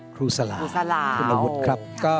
ครูสาลาว